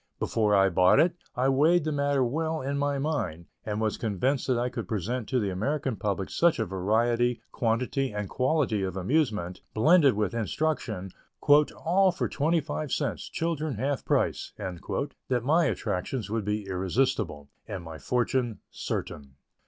Before I bought it, I weighed the matter well in my mind, and was convinced that I could present to the American public such a variety, quantity and quality of amusement, blended with instruction, "all for twenty five cents, children half price," that my attractions would be irresistible, and my fortune certain.